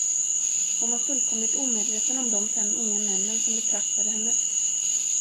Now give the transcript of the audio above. Hon var fullkomligt omedveten om de fem unga männen, som betraktade henne.